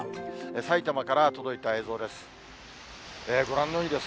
埼玉から届いた映像です。